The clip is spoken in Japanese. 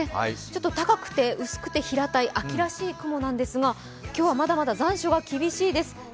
ちょっと高くて薄くて平たい秋らしい雲なんですが、今日はまだまだ残暑が厳しいです。